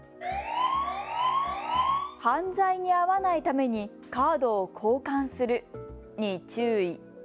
犯罪に遭わないためにカードを交換するに注意。